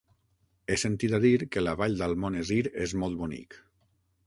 He sentit a dir que la Vall d'Almonesir és molt bonic.